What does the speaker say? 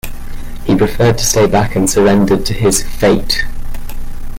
He preferred to stay back and surrendered to his 'fate'.